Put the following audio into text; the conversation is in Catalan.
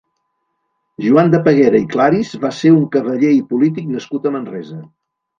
Joan de Peguera i Claris va ser un cavaller i polític nascut a Manresa.